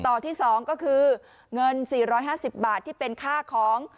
ต่อที่๒ก็คือเงิน๔๕๐บาทที่เป็นค่าของ